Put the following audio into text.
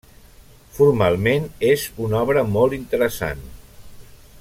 Formalment, és una obra molt interessant.